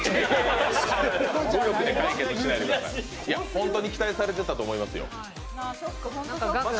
ほんとに期待されてたと思いますよ。